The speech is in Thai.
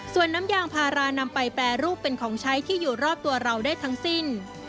ส่วนน้ำยางพารานำไปแปรรูปเป็นของใช้ที่อยู่รอบตัวเราได้ทั้งสิ้น